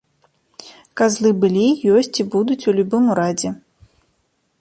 Казлы былі, ёсць і будуць у любым урадзе.